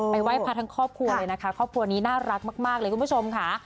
ไหว้พระทั้งครอบครัวเลยนะคะครอบครัวนี้น่ารักมากเลยคุณผู้ชมค่ะ